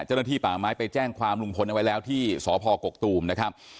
เจ้าหน้าที่ป่าไม้ไปแจ้งความลุงพลเอาไว้แล้วที่สพกกตูมนะครับ